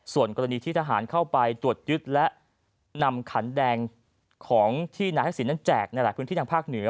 ส่วนกรณีที่ทหารเข้าไปตรวจยึดและนำขันแดงของที่นายทักษิณนั้นแจกในหลายพื้นที่ทางภาคเหนือ